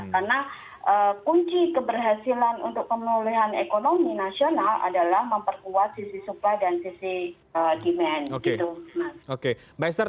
karena kunci keberhasilan untuk pemulihan ekonomi nasional adalah memperkuat sisi supply dan sisi demand